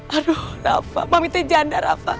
aduh rafa maminya tak janda rafa